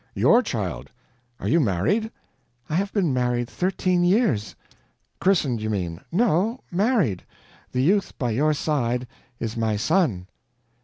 "YOUR child! Are you married?" "I have been married thirteen years." "Christened, you mean." "No, married. The youth by your side is my son."